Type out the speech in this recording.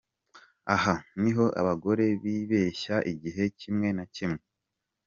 Aha niho abagore bibeshya igihe kimwe na kimwe.